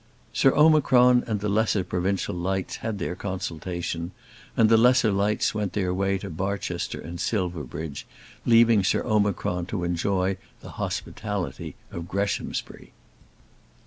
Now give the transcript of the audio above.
Sir Omicron and the lesser provincial lights had their consultation, and the lesser lights went their way to Barchester and Silverbridge, leaving Sir Omicron to enjoy the hospitality of Greshamsbury.